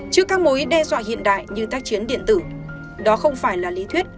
trước các mối đe dọa hiện đại như tác chiến điện tử